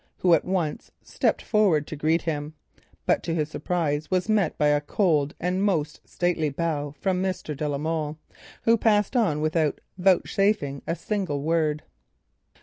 He at once stepped forward to greet him, but to his surprise was met by a cold and most stately bow from Mr. de la Molle, who passed on without vouchsafing a single word.